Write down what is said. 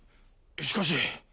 ししかし。